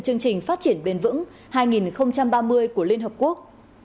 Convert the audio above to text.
chương trình phát triển bền vững hai nghìn ba mươi của liên hợp quốc